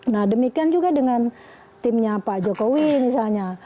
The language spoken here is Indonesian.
nah demikian juga dengan timnya pak jokowi misalnya